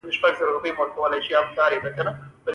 طوفان د قدرت قهر ښيي.